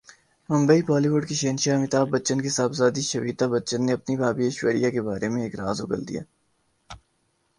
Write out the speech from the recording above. ممبئی بالی would کے شہنشاہ امیتابھبچن کی صاحبزادی شویتا بچن نے اپنی بھابھی ایشوریا کے بارے ایک راز اگل دیا ہے